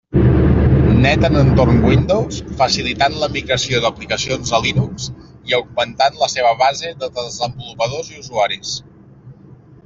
Net en entorn Windows, facilitant la migració d'aplicacions a Linux i augmentant la seva base de desenvolupadors i usuaris.